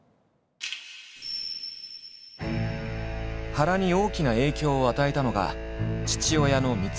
原に大きな影響を与えたのが父親の貢。